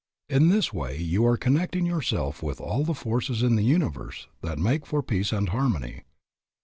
In this way you are connecting yourself with all the forces in the universe that make for peace and harmony.